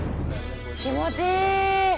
気持ちいい。